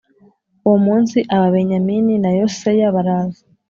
uwo munsi Ababenyamini na yoseya baraza